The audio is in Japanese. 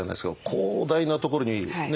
広大なところにね